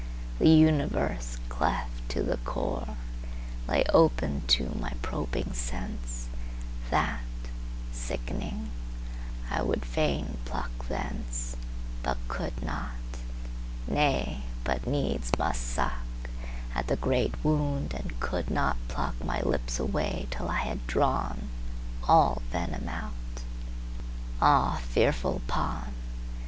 The Universe, cleft to the core, Lay open to my probing senseThat, sick'ning, I would fain pluck thenceBut could not,—nay! But needs must suckAt the great wound, and could not pluckMy lips away till I had drawnAll venom out.—Ah, fearful pawn!